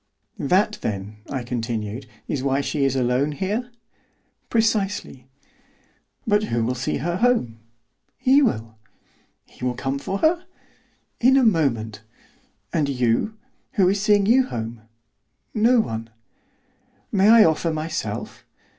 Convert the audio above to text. "That, then," I continued, "is why she is alone here?" "Precisely." "But who will see her home?" "He will." "He will come for her?" "In a moment." "And you, who is seeing you home?" "No one." "May I offer myself?"